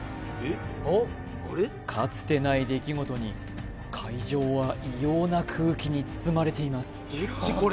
かつてない出来事に会場は異様な空気に包まれています